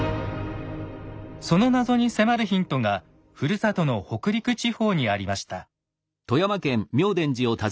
その謎に迫るヒントがふるさとの北陸地方にありました。